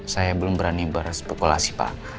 saya belum berani berspekulasi pak